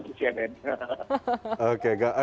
demi gambar yang indah